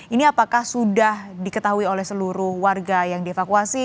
ini apakah sudah diketahui oleh seluruh warga yang dievakuasi